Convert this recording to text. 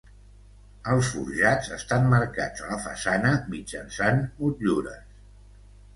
Els forjats estan marcats a la façana mitjançant motllures.